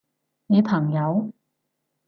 你朋友？